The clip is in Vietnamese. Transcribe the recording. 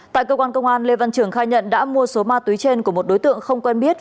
tại cơ quan công an lê văn trường khai nhận đã mua số ma túy trên của một đối tượng không quen biết